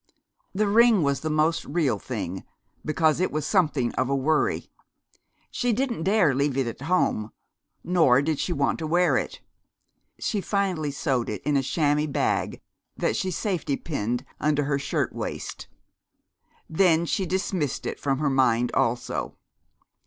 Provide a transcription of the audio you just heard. The ring was the most real thing, because it was something of a worry. She didn't dare leave it at home, nor did she want to wear it. She finally sewed it in a chamois bag that she safety pinned under her shirt waist. Then she dismissed it from her mind also.